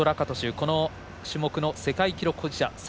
この種目の世界記録保持者。